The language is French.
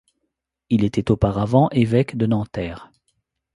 Il était auparavant évêque de Nanterre.